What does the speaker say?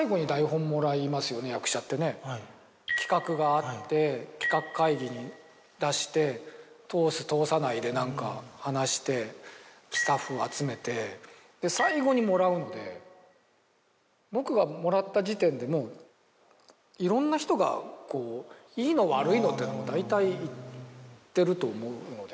企画があって企画会議に出して通す通さないで何か話してスタッフを集めて最後にもらうので僕がもらった時点でもういろんな人がこういいの悪いのってのも大体言ってると思うので。